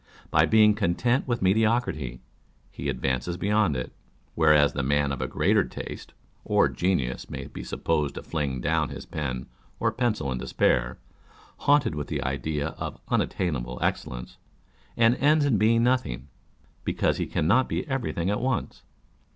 By being content with medio crity, he advances beyond it ; whereas the man of greater taste or genius may be supposed to fling down his pen or pencil in despair, haunted with the idea of unattainable excellence, and ends in being nothing, because he cannot be everything at once.